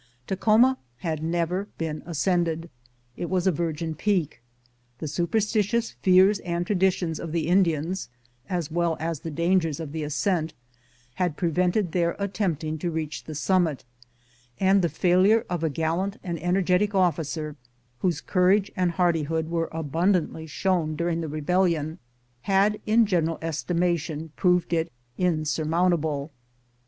Takhoma had never been ascended. It was a virgin peak. The superstitious fears and traditions of the Indians, as well as the dangers of the ascent, had prevented their attempting to reach the summit, and the failure of a gallant and energetic officer, whose cour age and hardihood were abundantly shown during the rebellion, had in general estimation proved it insur mountable.